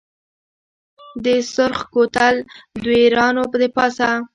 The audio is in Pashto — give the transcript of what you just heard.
د سرخ کوتل دویرانو دپاسه